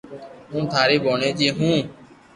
ھون ٿاري ڀوڻيجي ھون